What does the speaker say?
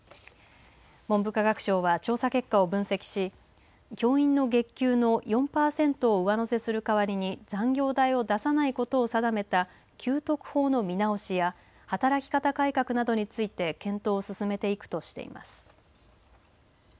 文部科学省は調査結果を分析し教員の月給の４パーセントを上乗せする代わりに残業代を出さないことを定めた給特法の見直しや働き方改革などについて検討を進めていくとしています。